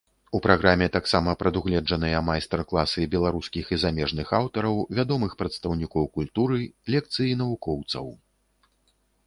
У праграме таксама прадугледжаныя майстар-класы беларускіх і замежных аўтараў, вядомых прадстаўнікоў культуры, лекцыі навукоўцаў.